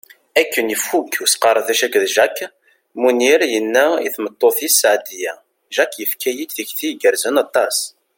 Akken ifuk usqerdec akked Jack, Munir yenna i tmeṭṭut-is Seɛdiya: Jack yefka-yi-d tikti igerrzen aṭas.